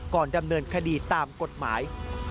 ก่อนดำเนินคดีตามกฎหมาย